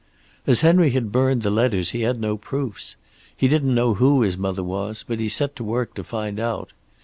"As Henry had burned the letters he had no proofs. He didn't know who his mother was, but he set to work to find out.